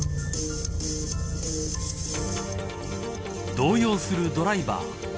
動揺するドライバー。